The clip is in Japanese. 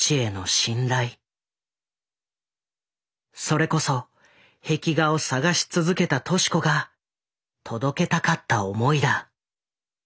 それこそ壁画を探し続けた敏子が届けたかった思いだ。